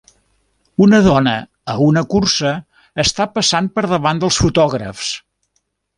Una dona a una cursa està passant per davant de fotògrafs.